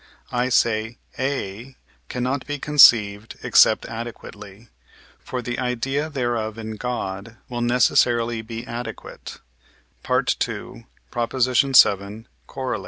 I say A cannot be conceived except adequately. For the idea thereof in God will necessarily be adequate (II. vii. Coroll.)